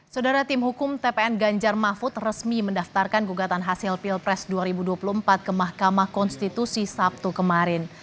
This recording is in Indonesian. saudara tim hukum tpn ganjar mahfud resmi mendaftarkan gugatan hasil pilpres dua ribu dua puluh empat ke mahkamah konstitusi sabtu kemarin